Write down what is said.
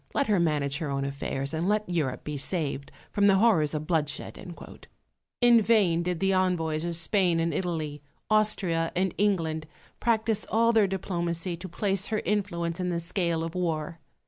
Let her manage her own affairs, and let Europe be saved from the horrors of bloodshed." In vain did the envoys of Spain and Italy, Austria and England, practise all their diplomacy to place her influence in the scale of war.